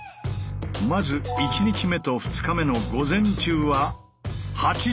まず１日目と２日目の午前中は８時間に上る学科。